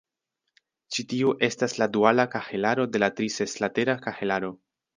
Ĉi tiu estas la duala kahelaro de la tri-seslatera kahelaro.